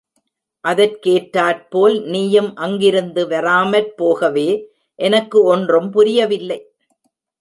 அதற்கேற்றார்போல் நீயும் அங்கிருந்து வராமற்போகவே எனக்கு ஒன்றும் புரியவில்லை.